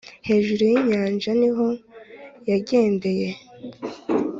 hejuru yinyanja niho yagendeye